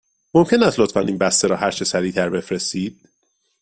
ممکن است لطفاً این بسته را هرچه سریع تر بفرستید؟